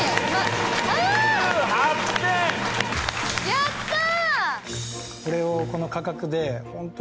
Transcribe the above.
やったー！